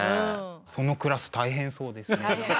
そのクラス大変そうですね。